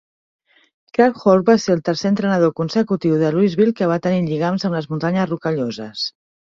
Kragthorpe va ser el tercer entrenador consecutiu de Louisville que va tenir lligams amb les Muntanyes Rocalloses.